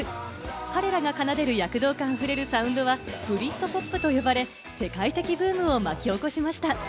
彼らが奏でる躍動感あふれるサウンドはブリットポップと呼ばれ、世界的ブームを巻き起こしました。